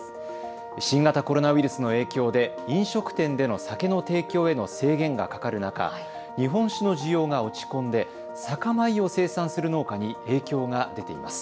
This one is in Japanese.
新型コロナウイルスの影響で飲食店での酒の提供への制限がかかる中日本酒の需要が落ち込んで酒米を生産する農家に影響が出ています。